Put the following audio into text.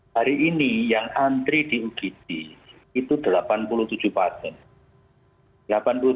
hari ini yang antri di ugd itu delapan puluh tujuh pasien